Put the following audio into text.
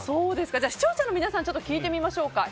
視聴者の皆さんに聞いてみましょう。